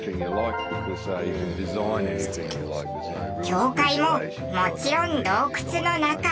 教会ももちろん洞窟の中。